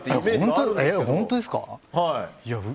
本当ですか？